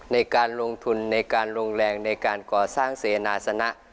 ในการลงทุนในการลงแรงในการก่อสร้างเสนาสนะ